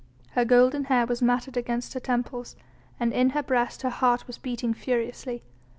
Her golden hair was matted against her temples and in her breast her heart was beating furiously.